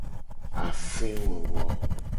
Afewowo.